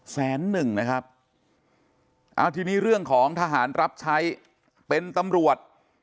แสนหนึ่งนะครับเอาทีนี้เรื่องของทหารรับใช้เป็นตำรวจ